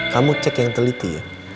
kamu cek yang teliti ya